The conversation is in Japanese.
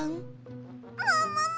ももも！